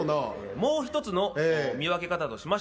もう一つの見分け方としまし